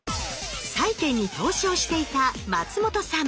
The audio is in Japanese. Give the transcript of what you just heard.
債券に投資をしていた松本さん。